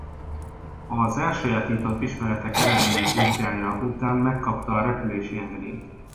Az elsajátított ismeretek eredményes vizsgája után megkapta a repülési engedélyt.